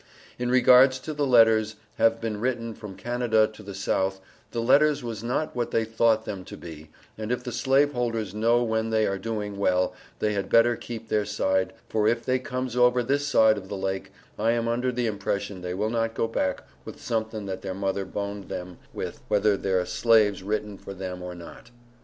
in Regards to the letters have been written from Canada to the South the letters was not what they thought them to be and if the slave holders know when they are doing well they had better keep their side for if they comes over this side of the lake I am under the impression they will not go back with somethin that their mother boned them with whether thiar slaves written for them or not.